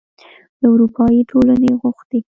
له اروپايي ټولنې غوښتي